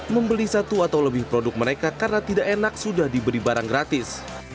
membeli satu atau lebih produk mereka karena tidak enak sudah diberi barang gratis